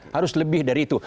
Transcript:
harus lebih dari itu